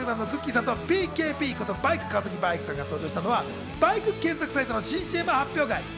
さんとＢＫＢことバイク川崎バイクさんが登場したのは、バイク検索サイトの新ＣＭ発表会。